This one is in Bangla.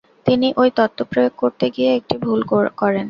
তিনি ঐ তত্ত্ব প্রয়োগ করতে গিয়ে একটি ভুল করেন।